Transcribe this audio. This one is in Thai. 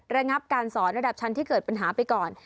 ระงับการสอนระดับชั้นที่เกิดปัญหาไปก่อน